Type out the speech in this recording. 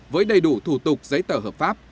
với đầy đủ thủ tục giấy tờ hợp pháp